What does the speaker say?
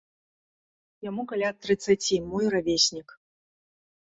Яму каля трыццаці, мой равеснік.